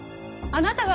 あなたが。